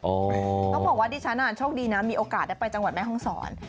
ต้องบอกว่าดิฉันโชคดีนะมีโอกาสได้ไปจังหวัดแม่ห้องศร